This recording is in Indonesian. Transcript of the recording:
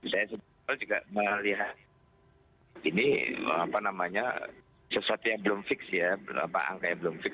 saya juga melihat ini sesuatu yang belum fix ya angka yang belum fix